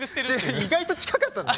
意外と近かったのね。